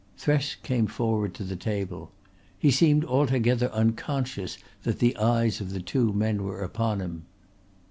Thresk came forward to the table. He seemed altogether unconscious that the eyes of the two men were upon him.